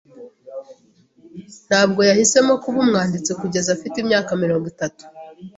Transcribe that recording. Ntabwo yahisemo kuba umwanditsi kugeza afite imyaka mirongo itatu.